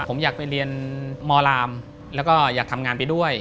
ผมอยากไปเรียนมรามแล้วก็อยากทำงานไปด้วย